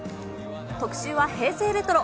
特集は平成レトロ。